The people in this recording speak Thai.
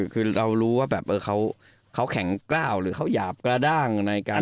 คือเรารู้ว่าแบบเขาแข็งกล้าวหรือเขาหยาบกระด้าง